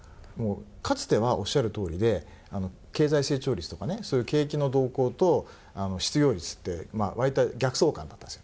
かつてはおっしゃるとおりで経済成長率とかねそういう景気の動向と失業率ってわりと逆相関だったんですよ。